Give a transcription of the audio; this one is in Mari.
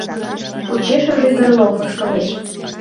Почешыже Горлов ошкылеш.